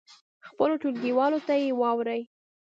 خپلو ټولګیوالو ته یې واوروئ.